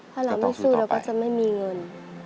ถ้าเราไม่สู้เราก็จะไม่มีเงิน